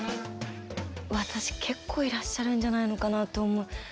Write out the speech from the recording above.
私結構いらっしゃるんじゃないのかなと思う。